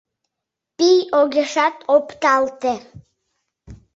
Пий огешат опталте.